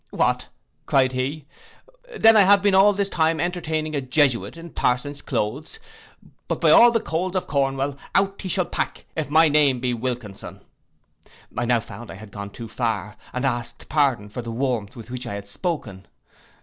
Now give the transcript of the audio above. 'What,' cried he, 'then I have been all this while entertaining a Jesuit in parson's cloaths; but by all the coal mines of Cornwall, out he shall pack, if my name be Wilkinson.' I now found I had gone too far, and asked pardon for the warmth with which I had spoken.